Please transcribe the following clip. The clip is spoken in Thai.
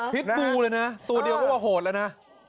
พิษบูเลยนะตัวเดียวก็ว่าโหดแล้วนะ